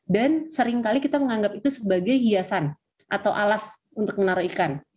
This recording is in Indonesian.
dan seringkali kita menganggap itu sebagai hiasan atau alas untuk menaruh ikan